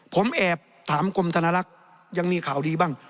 ผมแอบถามกรมธนลักษณ์ยังมีข่าวดีบ้าง